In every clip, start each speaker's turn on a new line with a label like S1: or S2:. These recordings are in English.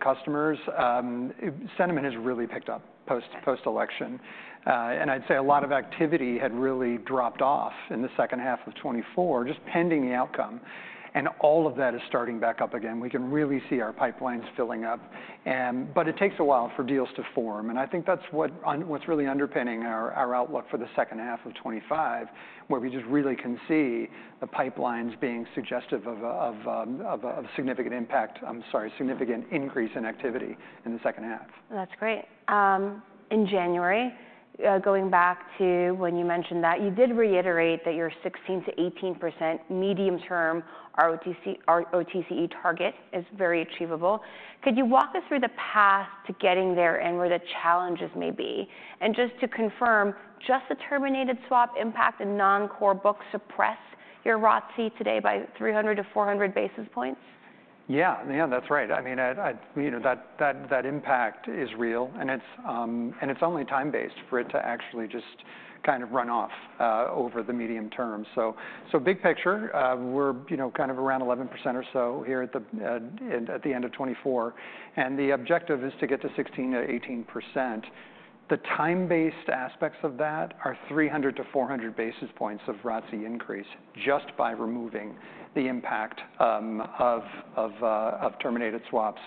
S1: This is with customers. Sentiment has really picked up post-election. And I'd say a lot of activity had really dropped off in the second half of 2024, just pending the outcome. And all of that is starting back up again. We can really see our pipelines filling up. But it takes a while for deals to form. And I think that's what's really underpinning our outlook for the second half of 2025, where we just really can see the pipelines being suggestive of a significant impact. I'm sorry, significant increase in activity in the second half. That's great. In January, going back to when you mentioned that, you did reiterate that your 16%-18% medium-term ROTCE target is very achievable. Could you walk us through the path to getting there and where the challenges may be? And just to confirm, just the terminated swap impact and non-core books suppress your ROTCE today by 300-400 basis points? Yeah, yeah, that's right. I mean, you know, that impact is real, and it's only time-based for it to actually just kind of run off over the medium term. So, big picture, we're kind of around 11% or so here at the end of 2024, and the objective is to get to 16%-18%. The time-based aspects of that are 300-400 basis points of ROTCE increase just by removing the impact of terminated swaps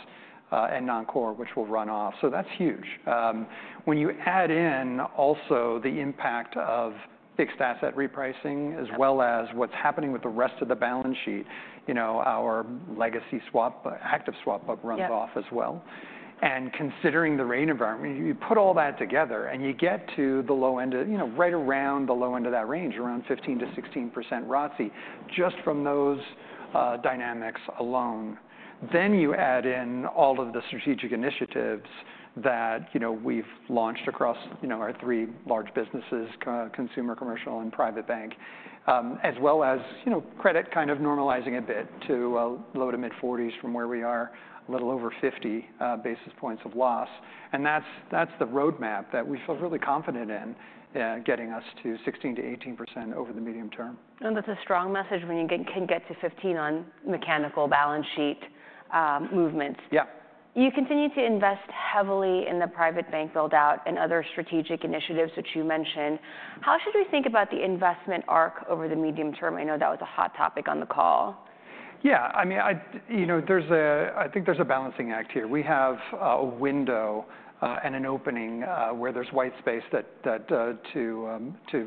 S1: and non-core, which will run off. So that's huge. When you add in also the impact of fixed asset repricing, as well as what's happening with the rest of the balance sheet, you know, our legacy swap, active swap book runs off as well. Considering the rate environment, you put all that together and you get to the low end, you know, right around the low end of that range, around 15%-16% ROTCE just from those dynamics alone. You add in all of the strategic initiatives that, you know, we've launched across, you know, our three large businesses, consumer, commercial, and private bank, as well as, you know, credit kind of normalizing a bit to low to mid-40s from where we are, a little over 50 basis points of loss. That's the roadmap that we feel really confident in getting us to 16%-18% over the medium term. That's a strong message when you can get to 15 on mechanical balance sheet movements. Yeah. You continue to invest heavily in the private bank build-out and other strategic initiatives, which you mentioned. How should we think about the investment arc over the medium term? I know that was a hot topic on the call. Yeah, I mean, you know, there's a, I think there's a balancing act here. We have a window and an opening where there's white space to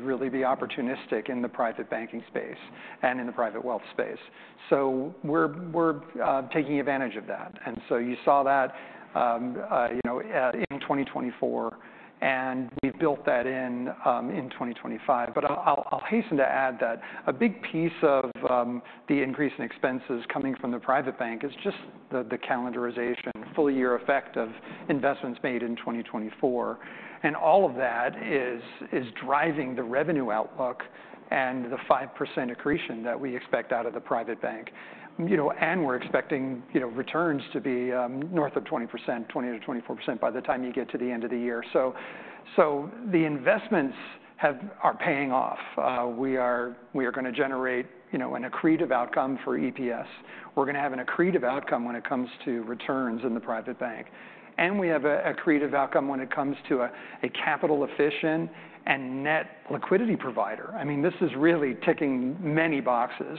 S1: really be opportunistic in the private banking space and in the private wealth space. So we're taking advantage of that. And so you saw that, you know, in 2024, and we've built that in in 2025. But I'll hasten to add that a big piece of the increase in expenses coming from the private bank is just the calendarization, full year effect of investments made in 2024. And all of that is driving the revenue outlook and the 5% accretion that we expect out of the private bank. You know, and we're expecting, you know, returns to be north of 20%, 20%-24% by the time you get to the end of the year. So the investments are paying off. We are going to generate, you know, an accretive outcome for EPS. We're going to have an accretive outcome when it comes to returns in the private bank. And we have an accretive outcome when it comes to a capital efficient and net liquidity provider. I mean, this is really ticking many boxes.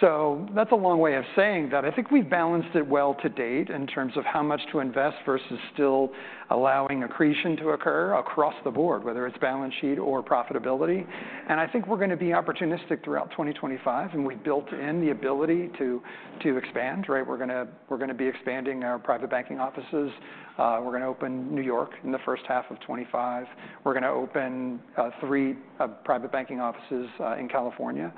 S1: So that's a long way of saying that I think we've balanced it well to date in terms of how much to invest versus still allowing accretion to occur across the board, whether it's balance sheet or profitability. And I think we're going to be opportunistic throughout 2025, and we've built in the ability to expand, right? We're going to be expanding our private banking offices. We're going to open New York in the first half of 2025. We're going to open three private banking offices in California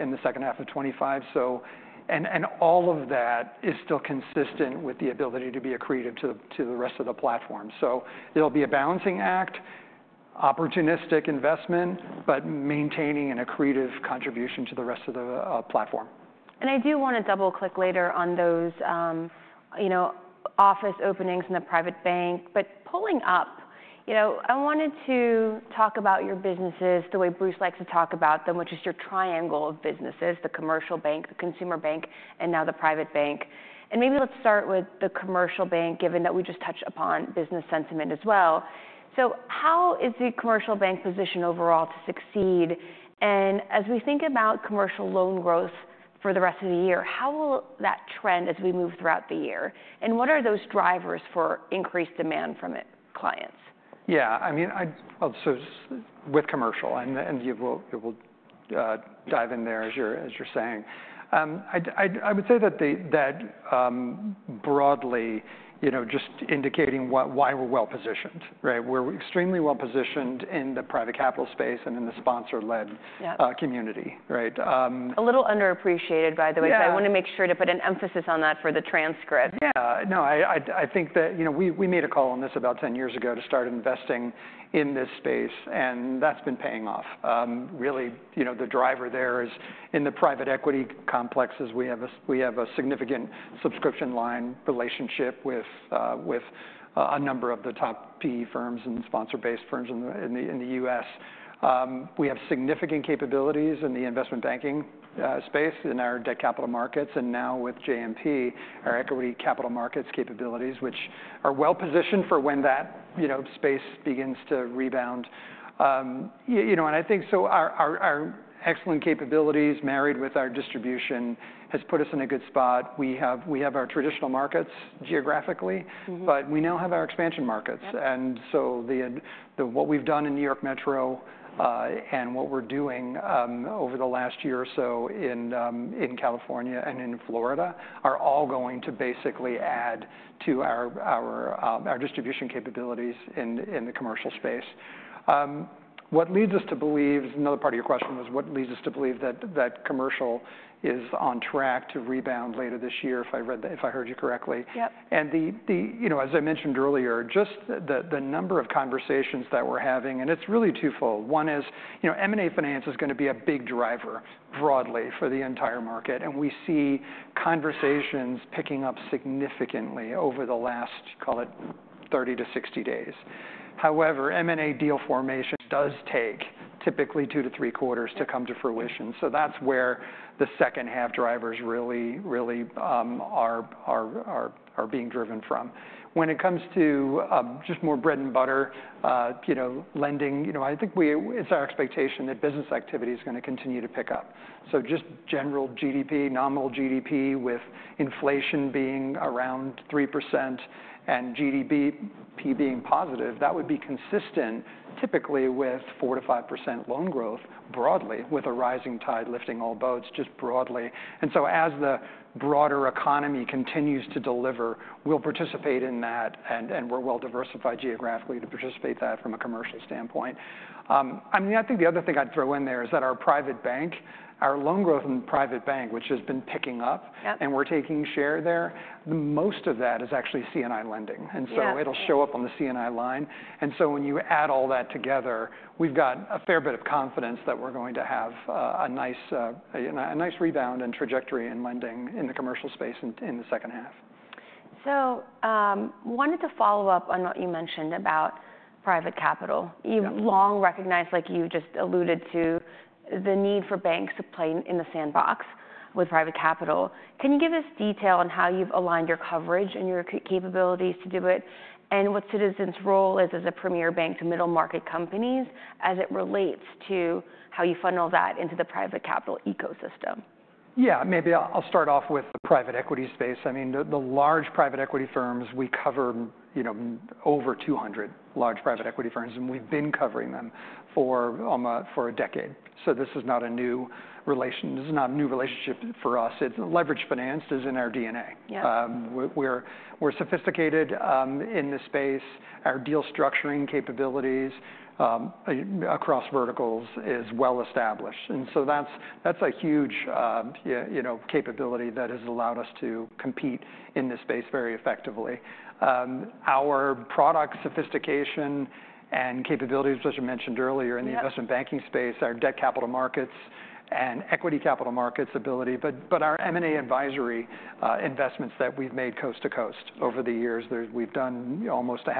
S1: in the second half of 2025. So, and all of that is still consistent with the ability to be accretive to the rest of the platform. So it'll be a balancing act, opportunistic investment, but maintaining an accretive contribution to the rest of the platform. I do want to double-click later on those, you know, office openings in the private bank, but pulling up, you know, I wanted to talk about your businesses the way Bruce likes to talk about them, which is your triangle of businesses: the commercial bank, the consumer bank, and now the private bank. Maybe let's start with the commercial bank, given that we just touched upon business sentiment as well. So how is the commercial bank positioned overall to succeed? And as we think about commercial loan growth for the rest of the year, how will that trend as we move throughout the year? And what are those drivers for increased demand from clients? Yeah, I mean, so with commercial, and you will dive in there as you're saying. I would say that broadly, you know, just indicating why we're well positioned, right? We're extremely well positioned in the private capital space and in the sponsor-led community, right? A little underappreciated, by the way. So I want to make sure to put an emphasis on that for the transcript. Yeah, no, I think that, you know, we made a call on this about 10 years ago to start investing in this space, and that's been paying off. Really, you know, the driver there is in the private equity complexes. We have a significant subscription line relationship with a number of the top PE firms and sponsor-based firms in the U.S. We have significant capabilities in the investment banking space in our debt capital markets, and now with JMP, our equity capital markets capabilities, which are well positioned for when that, you know, space begins to rebound. You know, and I think so our excellent capabilities married with our distribution has put us in a good spot. We have our traditional markets geographically, but we now have our expansion markets. What we've done in New York Metro and what we're doing over the last year or so in California and in Florida are all going to basically add to our distribution capabilities in the commercial space. What leads us to believe, another part of your question was what leads us to believe that commercial is on track to rebound later this year, if I heard you correctly. You know, as I mentioned earlier, just the number of conversations that we're having, and it's really twofold. One is, you know, M&A finance is going to be a big driver broadly for the entire market, and we see conversations picking up significantly over the last, call it 30-60 days. However, M&A deal formation does take typically two-three quarters to come to fruition. That's where the second half drivers really are being driven from. When it comes to just more bread and butter, you know, lending, you know, I think it's our expectation that business activity is going to continue to pick up. So just general GDP, nominal GDP with inflation being around 3% and GDP being positive, that would be consistent typically with 4%-5% loan growth broadly with a rising tide lifting all boats just broadly. And so as the broader economy continues to deliver, we'll participate in that, and we're well diversified geographically to participate in that from a commercial standpoint. I mean, the other thing I'd throw in there is that our private bank, our loan growth in the private bank, which has been picking up and we're taking share there, most of that is actually C&I lending. And so it'll show up on the C&I line. When you add all that together, we've got a fair bit of confidence that we're going to have a nice rebound and trajectory in lending in the commercial space in the second half. So I wanted to follow up on what you mentioned about private capital. You long recognized, like you just alluded to, the need for banks to play in the sandbox with private capital. Can you give us detail on how you've aligned your coverage and your capabilities to do it and what Citizens' role is as a premier bank to middle market companies as it relates to how you funnel that into the private capital ecosystem? Yeah, maybe I'll start off with the private equity space. I mean, the large private equity firms, we cover, you know, over 200 large private equity firms, and we've been covering them for a decade. So this is not a new relation. This is not a new relationship for us. It's leveraged finance is in our DNA. We're sophisticated in this space. Our deal structuring capabilities across verticals are well established. And so that's a huge, you know, capability that has allowed us to compete in this space very effectively. Our product sophistication and capabilities, as I mentioned earlier, in the investment banking space, our debt capital markets and equity capital markets ability, but our M&A advisory investments that we've made coast to coast over the years. We've done almost 6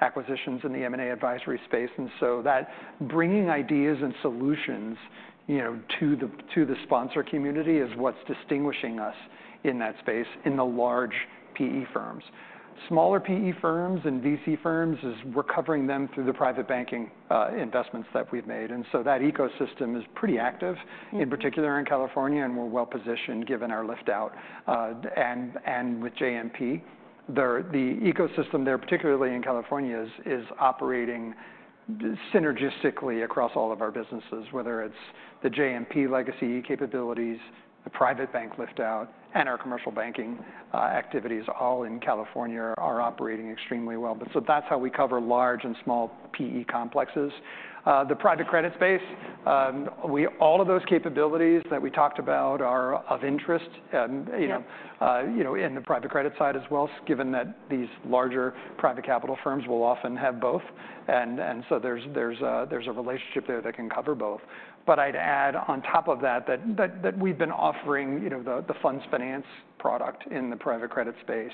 S1: acquisitions in the M&A advisory space. And so that bringing ideas and solutions, you know, to the sponsor community is what's distinguishing us in that space in the large PE firms. Smaller PE firms and VC firms, we're covering them through the private banking investments that we've made. And so that ecosystem is pretty active, in particular in California, and we're well positioned given our liftout. And with JMP, the ecosystem there, particularly in California, is operating synergistically across all of our businesses, whether it's the JMP legacy capabilities, the private bank liftout, and our commercial banking activities, all in California, are operating extremely well. But so that's how we cover large and small PE complexes. The private credit space, all of those capabilities that we talked about are of interest, you know, in the private credit side as well, given that these larger private capital firms will often have both. And so there's a relationship there that can cover both. But I'd add on top of that that we've been offering, you know, the funds finance product in the private credit space.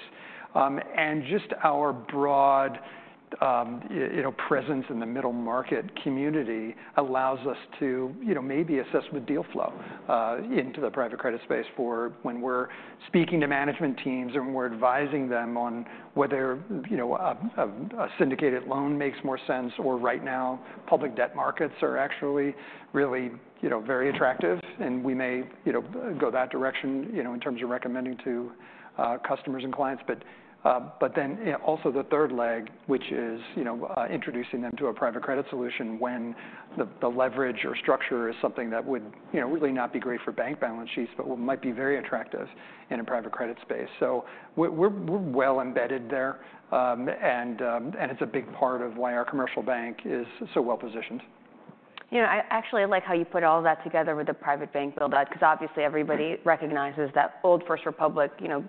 S1: And just our broad, you know, presence in the middle market community allows us to, you know, maybe assess the deal flow into the private credit space for when we're speaking to management teams and we're advising them on whether, you know, a syndicated loan makes more sense or right now public debt markets are actually really, you know, very attractive. And we may, you know, go that direction, you know, in terms of recommending to customers and clients. But then also the third leg, which is, you know, introducing them to a private credit solution when the leverage or structure is something that would, you know, really not be great for bank balance sheets, but what might be very attractive in a private credit space. So we're well embedded there, and it's a big part of why our commercial bank is so well positioned. You know, I actually like how you put all that together with the private bank build-out, because obviously everybody recognizes that old First Republic, you know,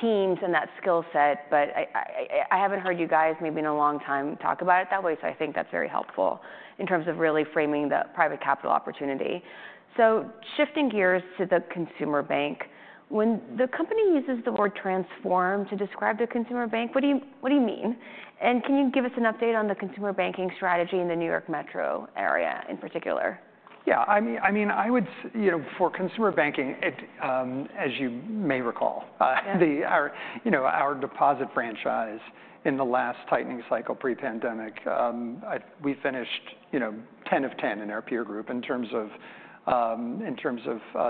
S1: teams and that skill set, but I haven't heard you guys maybe in a long time talk about it that way. So I think that's very helpful in terms of really framing the private capital opportunity. So shifting gears to the consumer bank, when the company uses the word transform to describe the consumer bank, what do you mean? And can you give us an update on the consumer banking strategy in the New York Metro area in particular? Yeah, I mean, I would, you know, for consumer banking, as you may recall, you know, our deposit franchise in the last tightening cycle pre-pandemic, we finished, you know, 10 of 10 in our peer group in terms of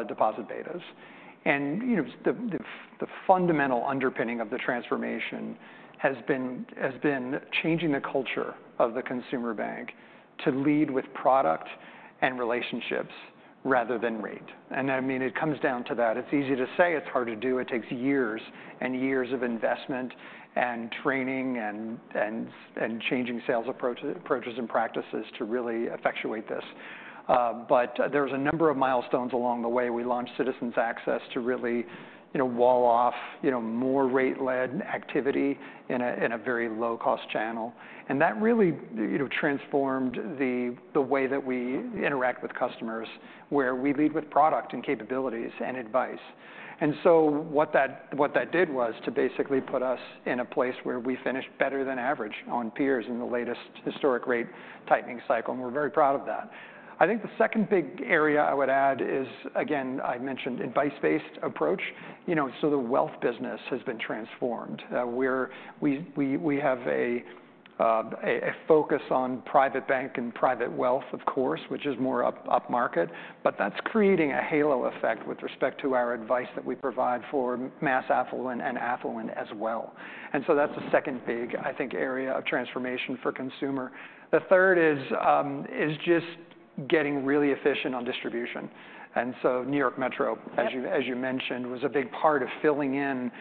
S1: deposit betas. And, you know, the fundamental underpinning of the transformation has been changing the culture of the consumer bank to lead with product and relationships rather than rate. And I mean, it comes down to that. It's easy to say, it's hard to do. It takes years and years of investment and training and changing sales approaches and practices to really effectuate this. But there was a number of milestones along the way. We launched Citizens Access to really, you know, wall off, you know, more rate-led activity in a very low-cost channel. And that really, you know, transformed the way that we interact with customers where we lead with product and capabilities and advice. And so what that did was to basically put us in a place where we finished better than average on peers in the latest historic rate tightening cycle. And we're very proud of that. I think the second big area I would add is, again, I mentioned advice-based approach, you know, so the wealth business has been transformed. We have a focus on private bank and private wealth, of course, which is more upmarket, but that's creating a halo effect with respect to our advice that we provide for mass affluent and affluent as well. And so that's a second big, I think, area of transformation for consumer. The third is just getting really efficient on distribution. New York Metro, as you mentioned, was a big part of filling in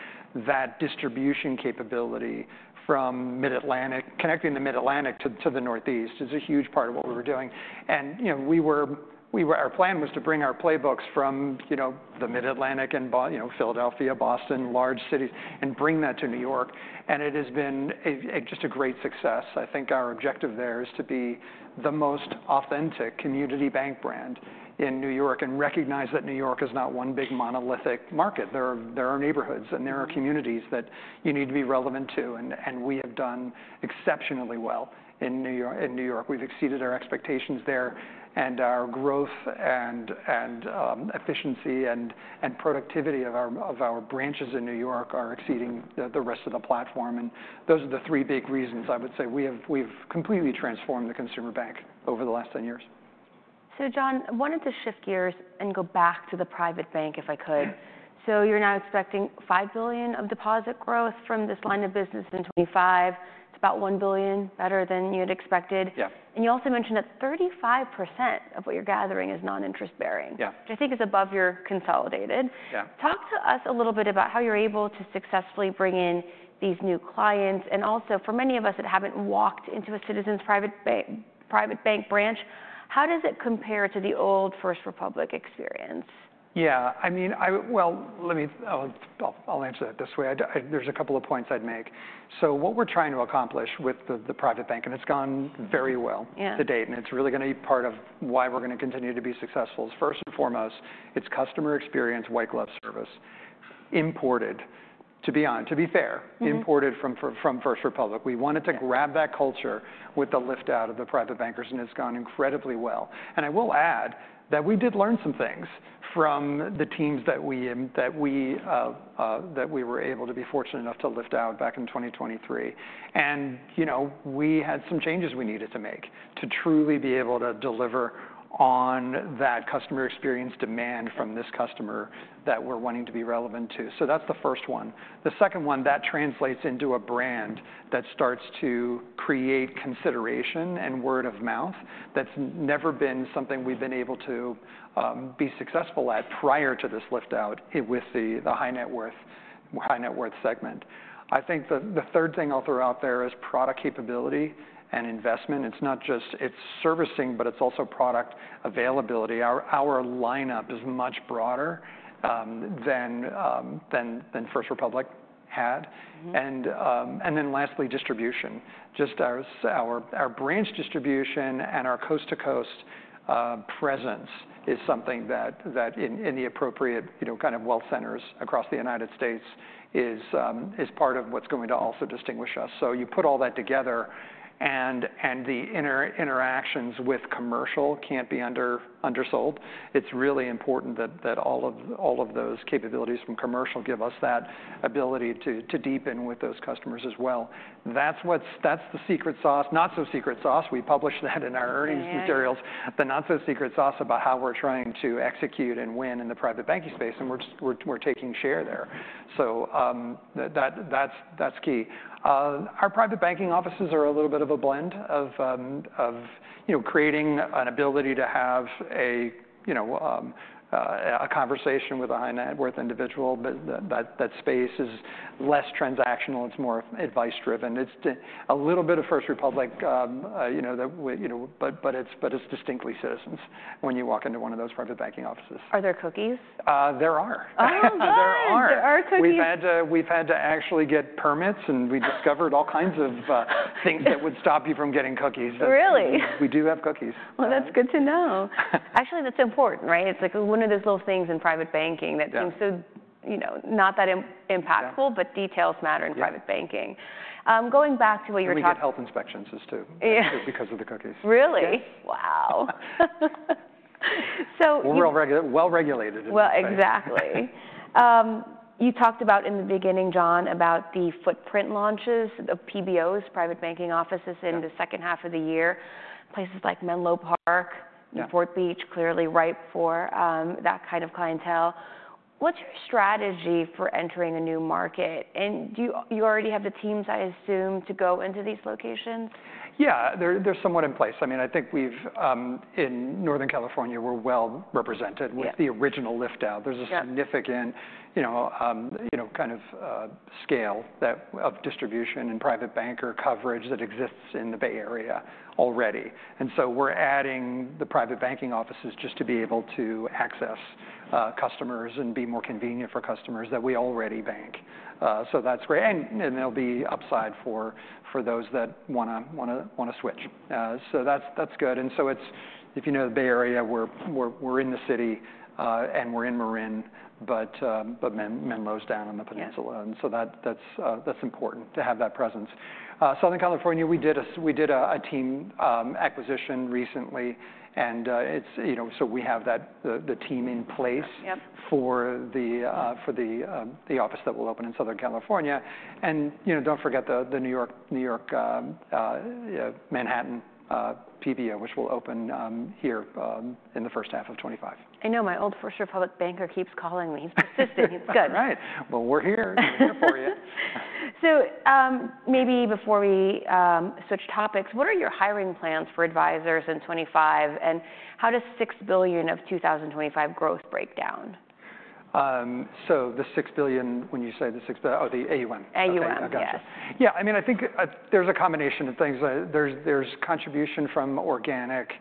S1: that distribution capability from Mid-Atlantic. Connecting the Mid-Atlantic to the Northeast is a huge part of what we were doing. You know, our plan was to bring our playbooks from, you know, the Mid-Atlantic and, you know, Philadelphia, Boston, large cities and bring that to New York. It has been just a great success. I think our objective there is to be the most authentic community bank brand in New York and recognize that New York is not one big monolithic market. There are neighborhoods and there are communities that you need to be relevant to. We have done exceptionally well in New York. We've exceeded our expectations there. Our growth and efficiency and productivity of our branches in New York are exceeding the rest of the platform. Those are the three big reasons I would say we've completely transformed the consumer bank over the last 10 years. John, I wanted to shift gears and go back to the private bank if I could. You're now expecting $5 billion of deposit growth from this line of business in 2025. It's about $1 billion better than you had expected. You also mentioned that 35% of what you're gathering is non-interest bearing, which I think is above your consolidated. Talk to us a little bit about how you're able to successfully bring in these new clients. Also for many of us that haven't walked into a Citizens Private Bank branch, how does it compare to the old First Republic experience? Yeah, I mean, well, let me, I'll answer that this way. There's a couple of points I'd make, so what we're trying to accomplish with the private bank, and it's gone very well to date, and it's really going to be part of why we're going to continue to be successful, is first and foremost, it's customer experience, white glove service, imported, to be fair, imported from First Republic. We wanted to grab that culture with the liftout of the private bankers, and it's gone incredibly well, and I will add that we did learn some things from the teams that we were able to be fortunate enough to lift out back in 2023. And, you know, we had some changes we needed to make to truly be able to deliver on that customer experience demand from this customer that we're wanting to be relevant to. So that's the first one. The second one, that translates into a brand that starts to create consideration and word of mouth that's never been something we've been able to be successful at prior to this liftout with the high net worth segment. I think the third thing I'll throw out there is product capability and investment. It's not just it's servicing, but it's also product availability. Our lineup is much broader than First Republic had. And then lastly, distribution. Just our branch distribution and our coast to coast presence is something that in the appropriate, you know, kind of wealth centers across the United States is part of what's going to also distinguish us. So you put all that together and the interactions with commercial can't be undersold. It's really important that all of those capabilities from commercial give us that ability to deepen with those customers as well. That's the secret sauce, not so secret sauce. We published that in our earnings materials, the not so secret sauce about how we're trying to execute and win in the private banking space and we're taking share there. So that's key. Our private banking offices are a little bit of a blend of, you know, creating an ability to have a, you know, a conversation with a high net worth individual, but that space is less transactional. It's more advice-driven. It's a little bit of First Republic, you know, but it's distinctly Citizens when you walk into one of those private banking offices. Are there cookies? There are. Oh, there are cookies. We've had to actually get permits and we discovered all kinds of things that would stop you from getting cookies. Really? We do have cookies. That's good to know. Actually, that's important, right? It's like one of those little things in private banking that seems so, you know, not that impactful, but details matter in private banking. Going back to what you were talking about. We get health inspections us too because of the cookies. Really? Wow. So. We're well regulated. Exactly. You talked about in the beginning, John, about the footprint launches of PBOs, private banking offices in the second half of the year, places like Menlo Park, Newport Beach, clearly ripe for that kind of clientele. What's your strategy for entering a new market? And do you already have the teams, I assume, to go into these locations? Yeah, they're somewhat in place. I mean, I think we've in Northern California, we're well represented with the original liftout. There's a significant, you know, kind of scale of distribution and private banker coverage that exists in the Bay Area already. And so we're adding the private banking offices just to be able to access customers and be more convenient for customers that we already bank. So that's great. And there'll be upside for those that want to switch. So that's good. And so it's, if you know the Bay Area, we're in the city and we're in Marin, but Menlo Park's down on the peninsula. And so that's important to have that presence. Southern California, we did a team acquisition recently. And it's, you know, so we have the team in place for the office that will open in Southern California. And, you know, don't forget the New York, Manhattan PBO, which will open here in the first half of 2025. I know my old First Republic banker keeps calling me. He's persisting. It's good. That's right. Well, we're here for you. So maybe before we switch topics, what are your hiring plans for advisors in 2025? And how does $6 billion of 2025 growth break down? So the $6 billion, when you say the $6 billion, oh, the AUM. AUM, yes. Yeah, I mean, I think there's a combination of things. There's contribution from organic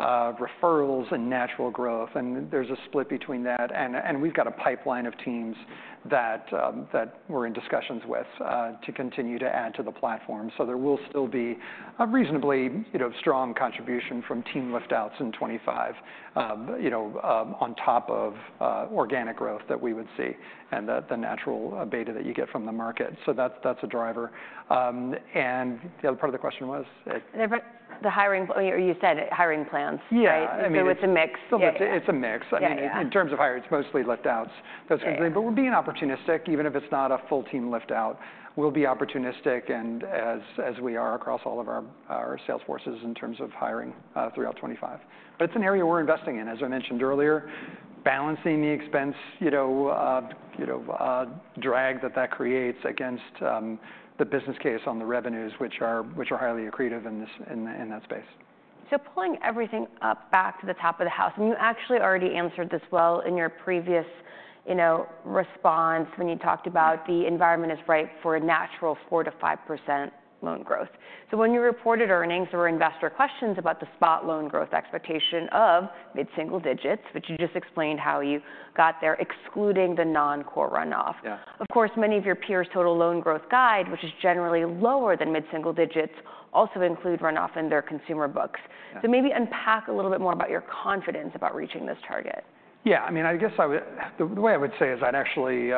S1: referrals and natural growth, and there's a split between that. And we've got a pipeline of teams that we're in discussions with to continue to add to the platform. So there will still be a reasonably, you know, strong contribution from team liftouts in 2025, you know, on top of organic growth that we would see and the natural beta that you get from the market. So that's a driver. And the other part of the question was? The hiring, you said hiring plans, right? So it's a mix. It's a mix. I mean, in terms of hiring, it's mostly liftouts, those kinds of things. But we'll be opportunistic, even if it's not a full team liftout. We'll be opportunistic and as we are across all of our sales forces in terms of hiring throughout 2025. But it's an area we're investing in, as I mentioned earlier, balancing the expense, you know, drag that creates against the business case on the revenues, which are highly accretive in that space. Pulling everything up back to the top of the house, and you actually already answered this well in your previous, you know, response when you talked about the environment is ripe for a natural 4%-5% loan growth. When you reported earnings or investor questions about the spot loan growth expectation of mid-single digits, which you just explained how you got there, excluding the non-core runoff. Of course, many of your peers' total loan growth guide, which is generally lower than mid-single digits, also include runoff in their consumer books. Maybe unpack a little bit more about your confidence about reaching this target. Yeah, I mean, I guess the way I would say is I'd actually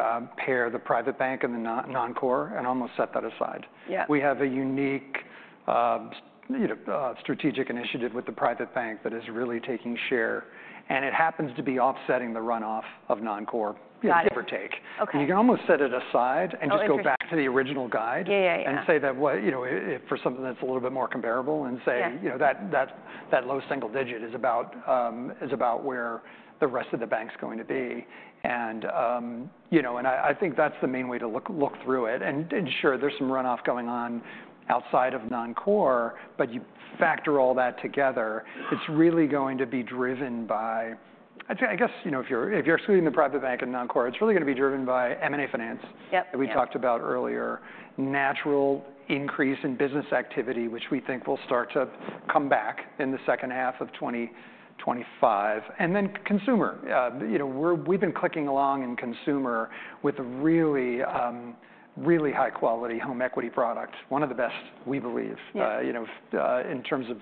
S1: pair the private bank and the non-core and almost set that aside. We have a unique, you know, strategic initiative with the private bank that is really taking share, and it happens to be offsetting the runoff of non-core, give or take. You can almost set it aside and just go back to the original guide and say that, you know, for something that's a little bit more comparable and say, you know, that low single digit is about where the rest of the bank's going to be, and, you know, I think that's the main way to look through it and ensure there's some runoff going on outside of non-core, but you factor all that together. It's really going to be driven by, I guess, you know, if you're excluding the private bank and non-core, it's really going to be driven by M&A finance that we talked about earlier, natural increase in business activity, which we think will start to come back in the second half of 2025. And then consumer, you know, we've been clicking along in consumer with a really, really high-quality home equity product, one of the best, we believe, you know, in terms of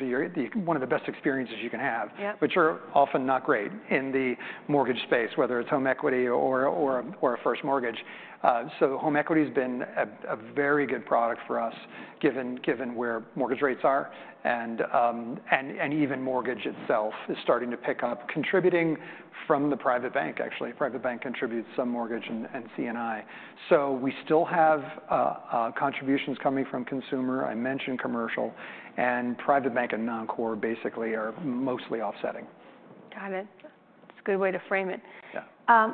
S1: one of the best experiences you can have, which are often not great in the mortgage space, whether it's home equity or a first mortgage. So home equity has been a very good product for us given where mortgage rates are. And even mortgage itself is starting to pick up, contributing from the private bank, actually. Private bank contributes some mortgage and C&I. So we still have contributions coming from Consumer. I mentioned Commercial and Private Bank and non-core basically are mostly offsetting. Got it. That's a good way to frame it.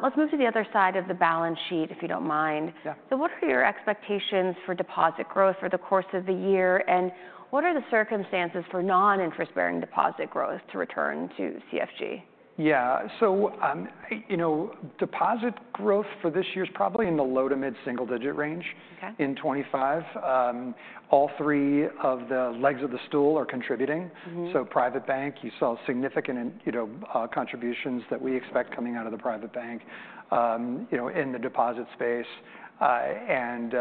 S1: Let's move to the other side of the balance sheet, if you don't mind. So what are your expectations for deposit growth for the course of the year, and what are the circumstances for non-interest-bearing deposit growth to return to CFG? Yeah, so, you know, deposit growth for this year is probably in the low- to mid-single-digit range in 2025. All three of the legs of the stool are contributing. So private bank, you saw significant, you know, contributions that we expect coming out of the private bank, you know, in the deposit space. And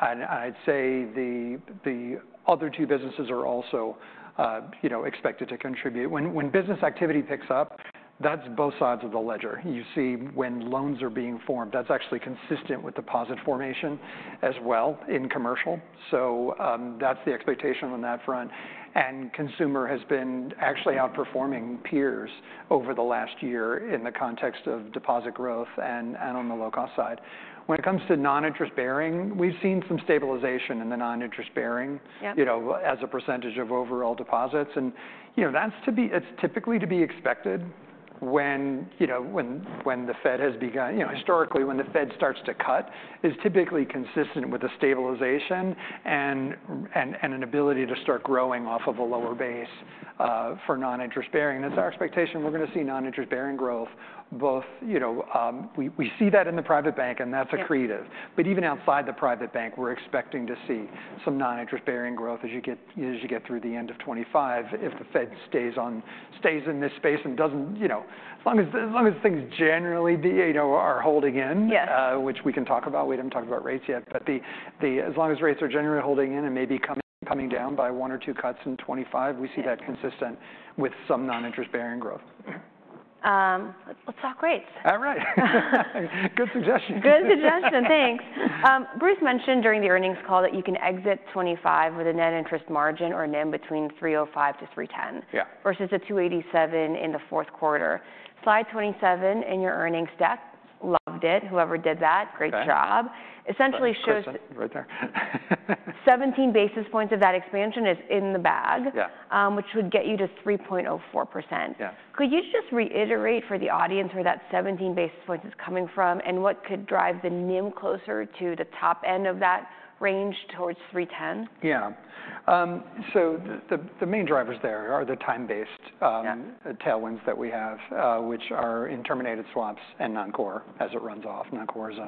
S1: I'd say the other two businesses are also, you know, expected to contribute. When business activity picks up, that's both sides of the ledger. You see when loans are being formed, that's actually consistent with deposit formation as well in commercial. So that's the expectation on that front. And consumer has been actually outperforming peers over the last year in the context of deposit growth and on the low-cost side. When it comes to non-interest-bearing, we've seen some stabilization in the non-interest-bearing, you know, as a percentage of overall deposits. And, you know, that's typically to be expected when, you know, when the Fed has begun, you know, historically when the Fed starts to cut is typically consistent with a stabilization and an ability to start growing off of a lower base for non-interest bearing. And it's our expectation we're going to see non-interest bearing growth, both, you know, we see that in the private bank and that's accretive. But even outside the private bank, we're expecting to see some non-interest bearing growth as you get through the end of 2025 if the Fed stays in this space and doesn't, you know, as long as things generally, you know, are holding in, which we can talk about. We haven't talked about rates yet, but as long as rates are generally holding in and maybe coming down by one or two cuts in 2025, we see that consistent with some non-interest bearing growth. Let's talk rates. All right. Good suggestion. Good suggestion. Thanks. Bruce mentioned during the earnings call that you can exit 2025 with a net interest margin or a NIM between 305 to 310 versus a 287 in the fourth quarter. Slide 27 in your earnings deck, loved it. Whoever did that, great job. Essentially shows 17 basis points of that expansion is in the bag, which would get you to 3.04%. Could you just reiterate for the audience where that 17 basis points is coming from and what could drive the NIM closer to the top end of that range towards 310? Yeah. So the main drivers there are the time-based tailwinds that we have, which are in terminated swaps and non-core as it runs off. Non-core is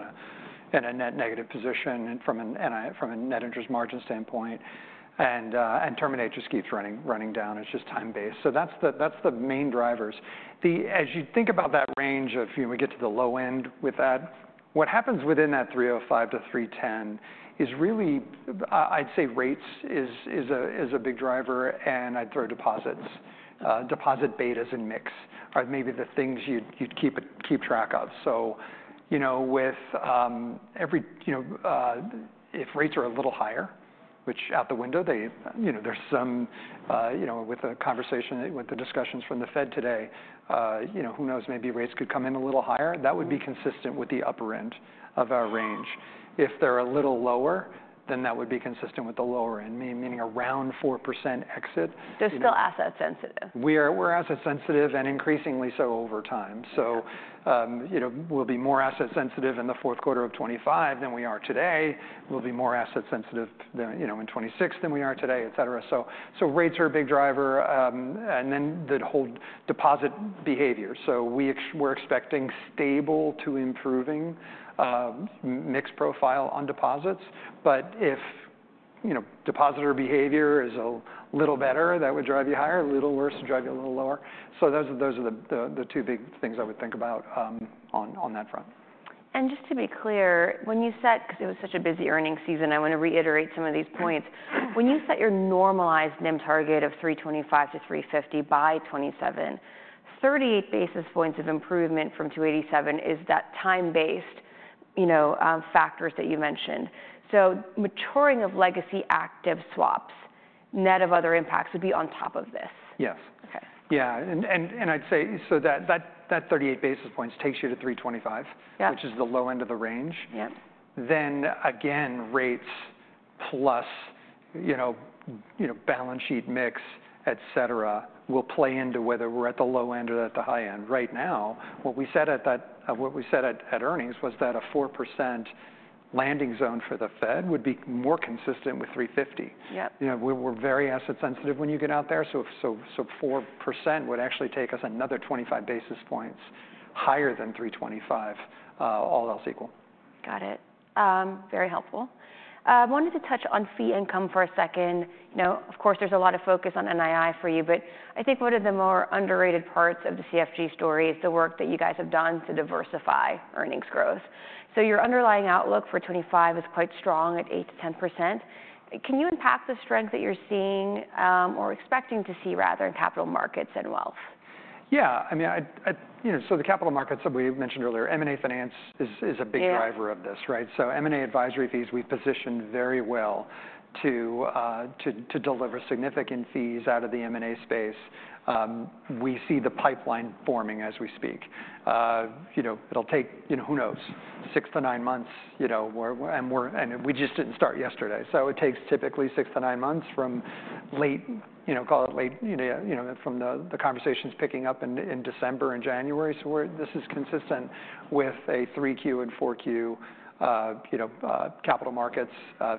S1: in a net negative position from a net interest margin standpoint. And terminated just keeps running down. It's just time-based. So that's the main drivers. As you think about that range of, you know, we get to the low end with that, what happens within that 305-310 is really, I'd say rates is a big driver. And I'd throw deposits, deposit betas and mix are maybe the things you'd keep track of. So, you know, with every, you know, if rates are a little higher, which out the window, they, you know, there's some, you know, with the conversation, with the discussions from the Fed today, you know, who knows, maybe rates could come in a little higher. That would be consistent with the upper end of our range. If they're a little lower, then that would be consistent with the lower end, meaning around 4% exit. They're still asset sensitive. We're asset sensitive and increasingly so over time. So, you know, we'll be more asset sensitive in the fourth quarter of 2025 than we are today. We'll be more asset sensitive than, you know, in 2026 than we are today, et cetera. So rates are a big driver. And then the whole deposit behavior. So we're expecting stable to improving mix profile on deposits. But if, you know, depositor behavior is a little better, that would drive you higher. A little worse would drive you a little lower. So those are the two big things I would think about on that front. And just to be clear, when you set, because it was such a busy earnings season, I want to reiterate some of these points. When you set your normalized NIM target of 325-350 by 2027, 38 basis points of improvement from 287 is that time-based, you know, factors that you mentioned. So maturing of legacy active swaps, net of other impacts would be on top of this. Yes. Yeah. And I'd say so that 38 basis points takes you to 325, which is the low end of the range. Then again, rates plus, you know, balance sheet mix, et cetera, will play into whether we're at the low end or at the high end. Right now, what we set at that, what we set at earnings was that a 4% landing zone for the Fed would be more consistent with 350. You know, we're very asset sensitive when you get out there. So 4% would actually take us another 25 basis points higher than 325, all else equal. Got it. Very helpful. I wanted to touch on fee income for a second. You know, of course, there's a lot of focus on NII for you, but I think one of the more underrated parts of the CFG story is the work that you guys have done to diversify earnings growth. So your underlying outlook for 2025 is quite strong at 8%-10%. Can you unpack the strength that you're seeing or expecting to see rather in capital markets and wealth? Yeah. I mean, you know, so the capital markets that we mentioned earlier, M&A finance is a big driver of this, right? So M&A advisory fees, we've positioned very well to deliver significant fees out of the M&A space. We see the pipeline forming as we speak. You know, it'll take, you know, who knows, six to nine months, you know, and we just didn't start yesterday. So it takes typically six to nine months from late, you know, call it late, you know, from the conversations picking up in December and January. So this is consistent with a 3Q and 4Q, you know, capital markets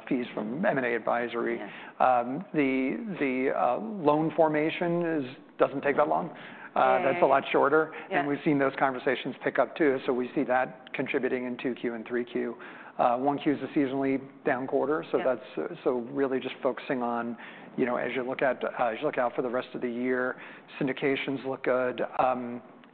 S1: fees from M&A advisory. The loan formation doesn't take that long. That's a lot shorter. And we've seen those conversations pick up too. So we see that contributing in 2Q and 3Q. 1Q is a seasonally down quarter. So that's really just focusing on, you know, as you look at, as you look out for the rest of the year, syndications look good.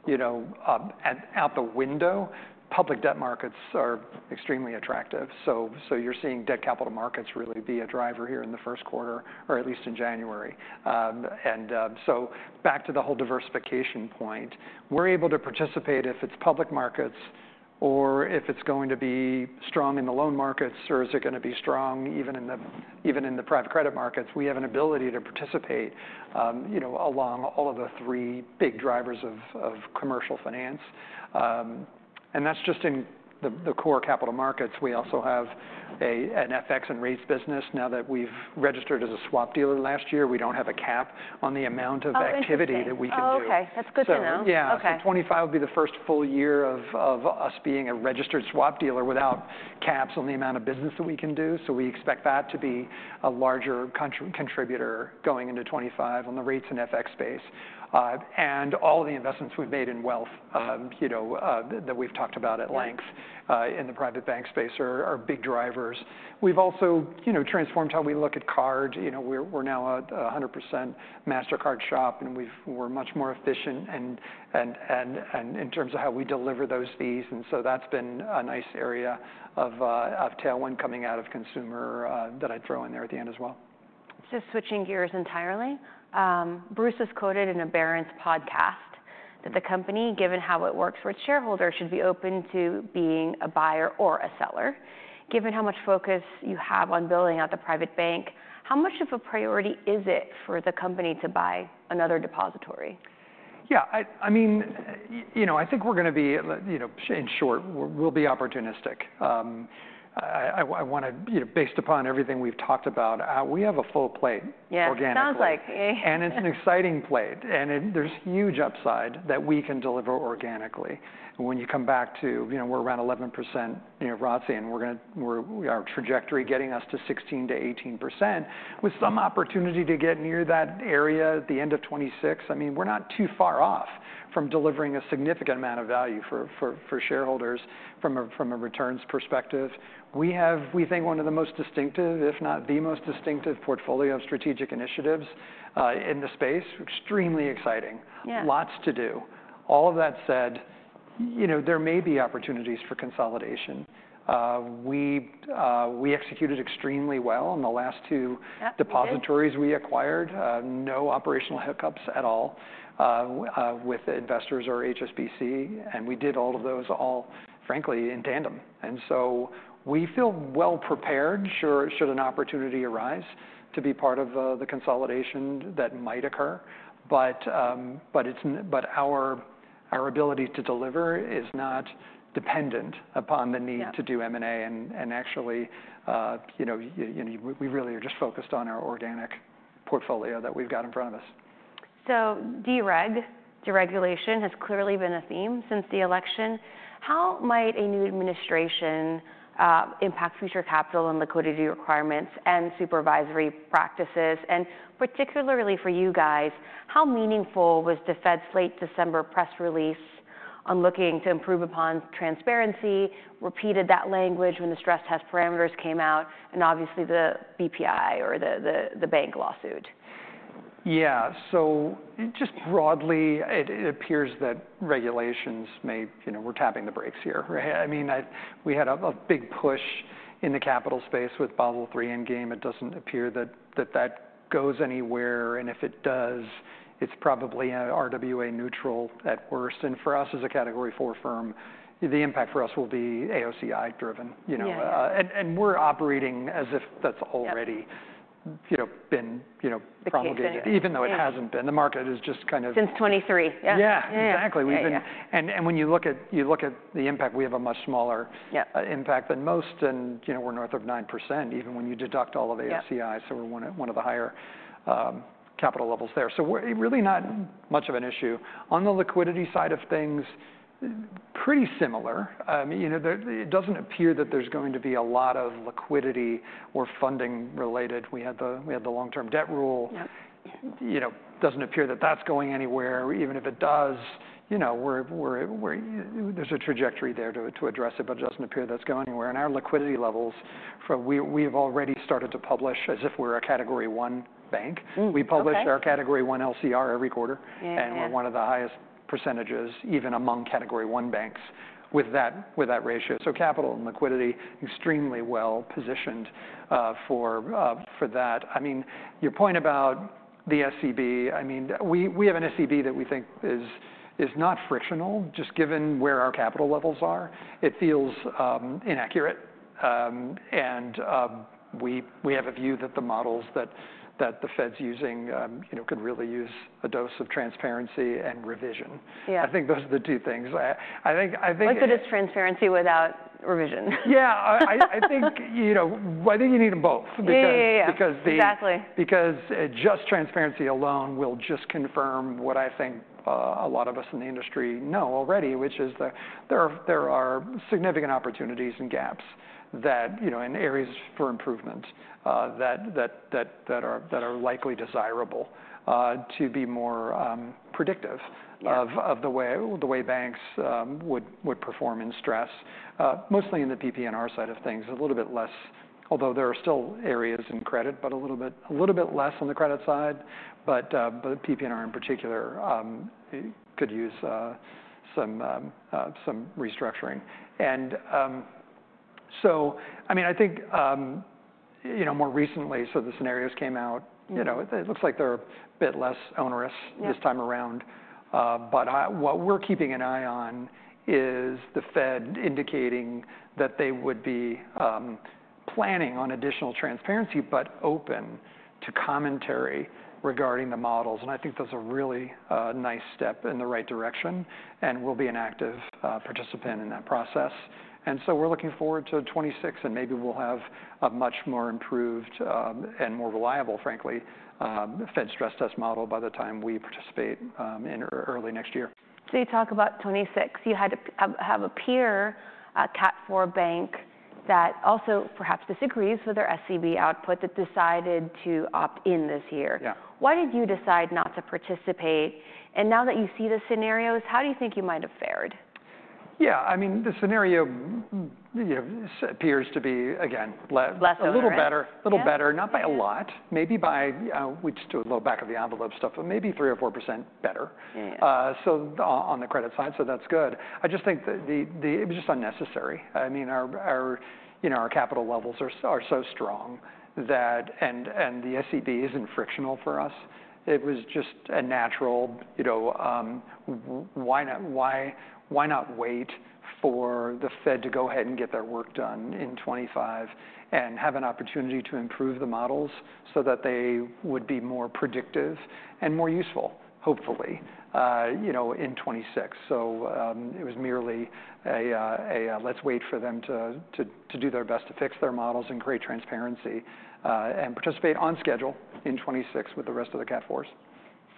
S1: You know, out the window, public debt markets are extremely attractive. So you're seeing debt capital markets really be a driver here in the first quarter, or at least in January. And so back to the whole diversification point, we're able to participate if it's public markets or if it's going to be strong in the loan markets or is it going to be strong even in the private credit markets. We have an ability to participate, you know, along all of the three big drivers of commercial finance. And that's just in the core capital markets. We also have an FX and REITs business. Now that we've registered as a swap dealer last year, we don't have a cap on the amount of activity that we can do. Oh, okay. That's good to know. Yeah. So 2025 will be the first full year of us being a registered swap dealer without caps on the amount of business that we can do. So we expect that to be a larger contributor going into 2025 on the REITs and FX space. And all of the investments we've made in wealth, you know, that we've talked about at length in the private bank space are big drivers. We've also, you know, transformed how we look at card. You know, we're now a 100% Mastercard shop and we're much more efficient in terms of how we deliver those fees. And so that's been a nice area of tailwind coming out of consumer that I'd throw in there at the end as well. Just switching gears entirely. Bruce has quoted in a Barron's podcast that the company, given how it works with shareholders, should be open to being a buyer or a seller. Given how much focus you have on building out the private bank, how much of a priority is it for the company to buy another depository? Yeah. I mean, you know, I think we're going to be, you know, in short, we'll be opportunistic. I want to, you know, based upon everything we've talked about, we have a full plate organically. Sounds like it. It's an exciting play. There's huge upside that we can deliver organically. When you come back to, you know, we're around 11%, you know, ROTCE in, we're going to, our trajectory getting us to 16%-18% with some opportunity to get near that area at the end of 2026. I mean, we're not too far off from delivering a significant amount of value for shareholders from a returns perspective. We have, we think, one of the most distinctive, if not the most distinctive portfolio of strategic initiatives in the space. Extremely exciting. Lots to do. All of that said, you know, there may be opportunities for consolidation. We executed extremely well on the last two acquisitions we acquired. No operational hiccups at all with Investors or HSBC. We did all of those, frankly, in tandem. And so we feel well prepared, should an opportunity arise, to be part of the consolidation that might occur. But our ability to deliver is not dependent upon the need to do M&A and actually, you know, we really are just focused on our organic portfolio that we've got in front of us. So deregulation has clearly been a theme since the election. How might a new administration impact future capital and liquidity requirements and supervisory practices? And particularly for you guys, how meaningful was the Fed's late December press release on looking to improve upon transparency, repeated that language when the stress test parameters came out, and obviously the BPI or the bank lawsuit? Yeah. So just broadly, it appears that regulations may, you know, we're tapping the brakes here. I mean, we had a big push in the capital space with Basel III endgame. It doesn't appear that that goes anywhere. And if it does, it's probably RWA neutral at worst. And for us as a Category 4 firm, the impact for us will be AOCI driven, you know. And we're operating as if that's already, you know, been, you know, promulgated, even though it hasn't been. The market is just kind of. Since '23. Yeah, exactly. And when you look at the impact, we have a much smaller impact than most. And, you know, we're north of 9%, even when you deduct all of AOCI. So we're one of the higher capital levels there. So really not much of an issue. On the liquidity side of things, pretty similar. I mean, you know, it doesn't appear that there's going to be a lot of liquidity or funding related. We had the long-term debt rule. You know, doesn't appear that that's going anywhere. Even if it does, you know, there's a trajectory there to address it, but it doesn't appear that's going anywhere. And our liquidity levels, we've already started to publish as if we're a Category 1 bank. We publish our Category 1 LCR every quarter. And we're one of the highest percentages, even among Category 1 banks with that ratio. Capital and liquidity, extremely well positioned for that. I mean, your point about the SCB, we have an SCB that we think is not frictional, just given where our capital levels are. It feels inaccurate, and we have a view that the models that the Fed's using, you know, could really use a dose of transparency and revision. I think those are the two things. I think. As good as transparency without revision. Yeah. I think, you know, I think you need them both because just transparency alone will just confirm what I think a lot of us in the industry know already, which is that there are significant opportunities and gaps that, you know, in areas for improvement that are likely desirable to be more predictive of the way banks would perform in stress, mostly in the PP&R side of things, a little bit less, although there are still areas in credit, but a little bit less on the credit side. But PP&R in particular could use some restructuring. And so, I mean, I think, you know, more recently, so the scenarios came out, you know, it looks like they're a bit less onerous this time around. But what we're keeping an eye on is the Fed indicating that they would be planning on additional transparency, but open to commentary regarding the models. And I think that's a really nice step in the right direction and will be an active participant in that process. And so we're looking forward to 2026 and maybe we'll have a much more improved and more reliable, frankly, Fed stress test model by the time we participate in early next year. So you talk about 2026, you had to have a peer, a Cat4 bank that also perhaps disagrees with their SCB output that decided to opt in this year. Why did you decide not to participate? And now that you see the scenarios, how do you think you might have fared? Yeah. I mean, the scenario appears to be, again, a little better, a little better, not by a lot, maybe by, we just do a little back of the envelope stuff, but maybe 3% or 4% better on the credit side. So that's good. I just think that it was just unnecessary. I mean, our, you know, our capital levels are so strong that, and the SCB isn't frictional for us. It was just a natural, you know, why not wait for the Fed to go ahead and get their work done in 2025 and have an opportunity to improve the models so that they would be more predictive and more useful, hopefully, you know, in 2026. So it was merely a, let's wait for them to do their best to fix their models and create transparency and participate on schedule in 2026 with the rest of the Category 4s.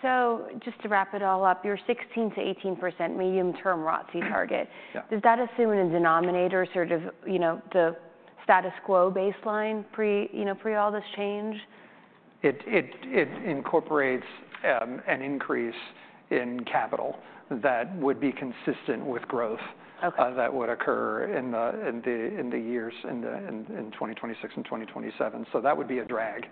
S1: So just to wrap it all up, your 16%-18% medium-term ROTCE target, does that assume in a denominator sort of, you know, the status quo baseline pre, you know, pre all this change? It incorporates an increase in capital that would be consistent with growth that would occur in the years in 2026 and 2027. That would be a drag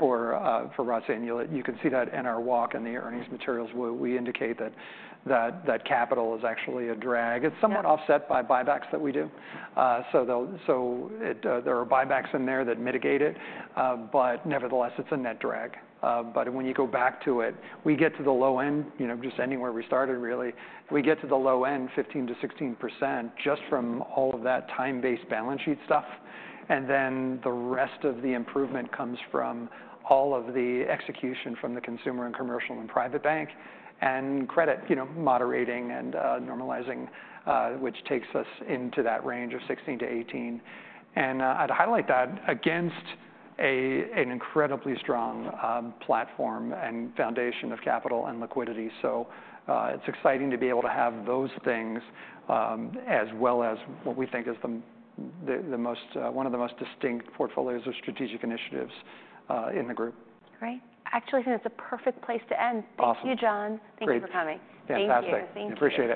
S1: for ROTCE. You can see that in our walk and the earnings materials; we indicate that capital is actually a drag. It's somewhat offset by buybacks that we do. There are buybacks in there that mitigate it. Nevertheless, it's a net drag. When you go back to it, we get to the low end, you know, just ending where we started really; we get to the low end, 15%-16% just from all of that time-based balance sheet stuff. Then the rest of the improvement comes from all of the execution from the consumer and commercial and private bank and credit, you know, moderating and normalizing, which takes us into that range of 16%-18%. I'd highlight that against an incredibly strong platform and foundation of capital and liquidity. It's exciting to be able to have those things as well as what we think is the most, one of the most distinct portfolios of strategic initiatives in the group. Great. Actually, I think that's a perfect place to end. Awesome. Thank you, John. Thank you for coming. Fantastic. Thank you.